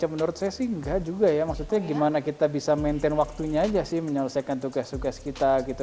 ya menurut saya sih enggak juga ya maksudnya gimana kita bisa maintain waktunya aja sih menyelesaikan tugas tugas kita gitu